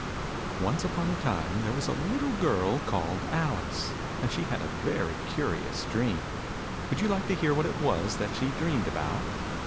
Once upon a time, there was a little girl called Alice : and she had a very curious dream. Would you like to hear what it was that she dreamed about